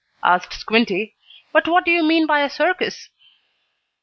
asked Squinty. "But what do you mean by a circus?"